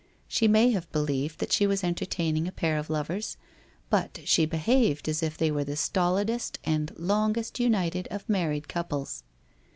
She may have believed that she was entertaining a pair of lovers, but she behaved as if they were the stolidest and longest united of married couples.